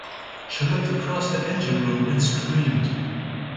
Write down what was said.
She looked across the engine room and screamed.